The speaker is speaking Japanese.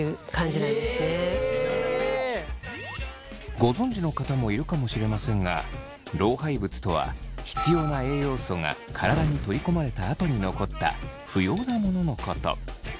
ご存じの方もいるかもしれませんが老廃物とは必要な栄養素が体に取り込まれたあとに残った不要なもののこと。